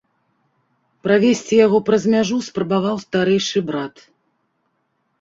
Правесці яго праз мяжу спрабаваў старэйшы брат.